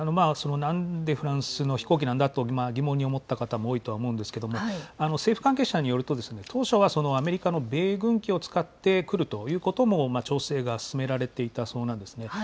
なんでフランスの飛行機なんだと疑問に思った方も多いと思うんですけれども、政府関係者によると、当初はアメリカの米軍機を使って来るということも、調整が進められていたそうなんですね。